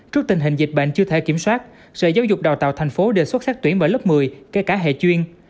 trước tình hình dịch bệnh chưa thể kiểm soát sở giáo dục đào tạo thành phố đã xuất sắc tuyển mở lớp một mươi kể cả hệ chuyên